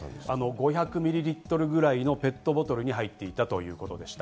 ５００ミリリットルくらいのペットボトルに入っていたと言っていました。